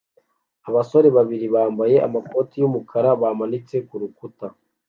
Abasore babiri bambaye amakoti yumukara bamanitse kurukuta